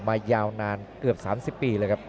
มายาวนานเกือบ๓๐ปี